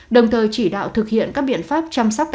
đồng thời chỉ đạo thực hiện các bài toán thiếu giáo viên và học sinh